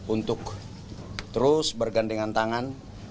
untuk terus bergandengan tangan